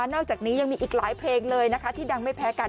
อกจากนี้ยังมีอีกหลายเพลงเลยนะคะที่ดังไม่แพ้กัน